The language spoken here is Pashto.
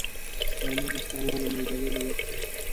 غرمه د ستړیا له منځه وړلو وخت دی